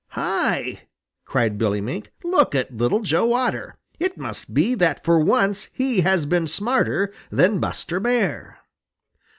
"Hi!" cried Billy Mink. "Look at Little Joe Otter! It must be that for once he has been smarter than Buster Bear."